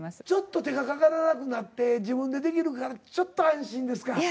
ちょっと手がかからなくなって自分でできるからちょっと安心ですか。